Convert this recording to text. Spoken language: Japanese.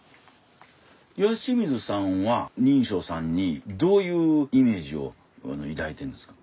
吉水さんは忍性さんにどういうイメージを抱いてるんですか？